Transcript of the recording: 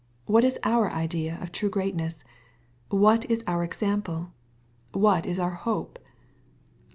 what is our idea of true greatness? what is our example ? what is our hope?